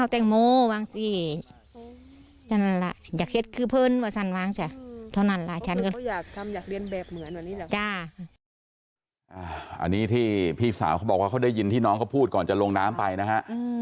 อันนี้ที่พี่สาวเขาบอกว่าเขาได้ยินที่น้องเขาพูดก่อนจะลงน้ำไปนะฮะ